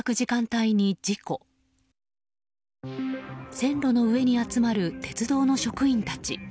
線路の上に集まる鉄道の職員たち。